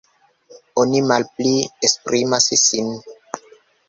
Oni malpli esprimas sin.